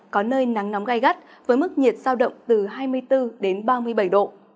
có nơi nắng nóng gai gắt với mức nhiệt giao động từ hai mươi bốn đến ba mươi bảy độ